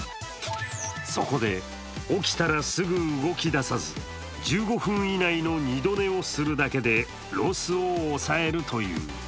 そこで、起きたらすぐ動き出さず、１５分以内の二度寝をするだけでロスを抑えるという。